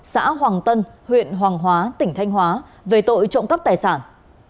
xã hoàng tân huyện hoàng hóa tỉnh thanh hóa về tội trộm cắp tài sản